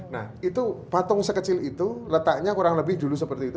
nah itu patung sekecil itu letaknya kurang lebih dulu seperti itu